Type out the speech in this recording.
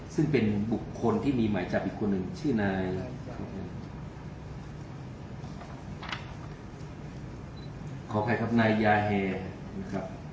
ซึ่งเป็นบุคคลที่มีหมายจับอีกคนหนึ่งชื่อนายขออภัยครับนายยาเฮนะครับ